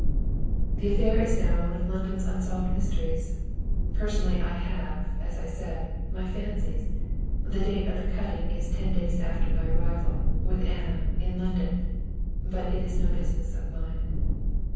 _" The affair is now one of London's unsolved mysteries. Personally I have, as I said, my fancies the date of the cutting is ten days after my arrival, with Anna, in London but it is no business of mine.